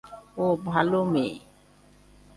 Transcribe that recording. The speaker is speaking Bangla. ও ভালো মেয়ে।